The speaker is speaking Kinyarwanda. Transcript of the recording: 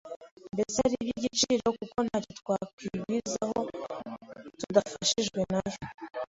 mbese ari iby’igiciro, kuko ntacyo twakwigwzaho tudafashijwe nayo.